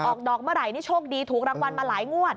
ออกดอกเมื่อไหร่นี่โชคดีถูกรางวัลมาหลายงวด